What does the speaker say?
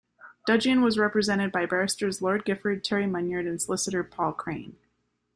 Dudgeon was represented by barristers Lord Gifford, Terry Munyard and solicitor Paul Crane.